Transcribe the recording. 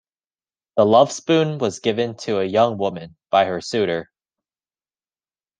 The lovespoon was given to a young woman by her suitor.